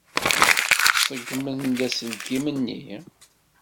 Ṣeggmen-d aselkim-nni?